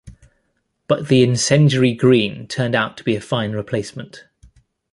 But the incendiary Green turned out to be a fine replacement.